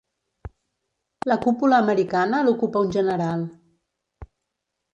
La cúpula americana l'ocupa un general.